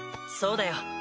そうだよ